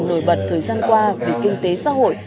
nổi bật thời gian qua về kinh tế xã hội